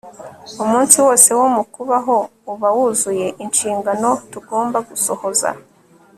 umunsi wose wo mu kubaho uba wuzuye inshingano tugomba gusohoza